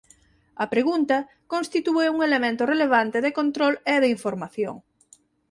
A pregunta constitúe un elemento relevante de control e de información.